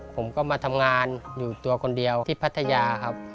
ผมก็มาทำงานอยู่ตัวคนเดียวที่พัทยาครับ